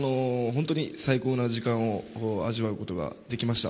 本当に最高な時間を味わうことができました。